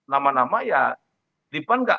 nama nama ya di pan gak